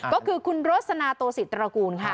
ก็คือคุณรสนาโตศิตรกูลค่ะ